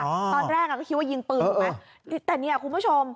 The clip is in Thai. ตอนแรกอ่ะก็คิดว่ายิงปืนถูกไหมแต่เนี่ยคุณผู้ชม